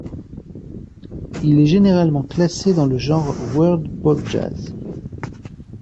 Il est généralement classé dans le genre world-pop-jazz.